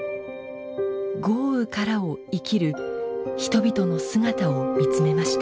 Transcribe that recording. “豪雨から”を生きる人々の姿を見つめました。